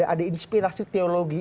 ada inspirasi teologi